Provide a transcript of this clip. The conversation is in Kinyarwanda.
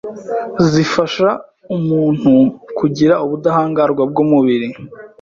zifasha umuntu kugira ubudahangarwa bw’umubiri